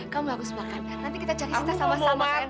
kamu harus makan ya nanti kita cari sita sama sama sayang